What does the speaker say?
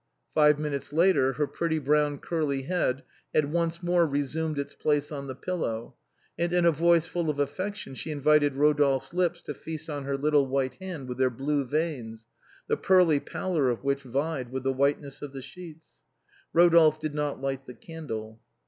Five minutes later her pretty brown curly head had once more resumed its place on the pillow, and in a voice full of affection she invited Kodolphe's lips to feast on her little white hands with their blue veins, the pearly pallor of which vied with the whiteness of the sheets. Eodolphe did not light the candle.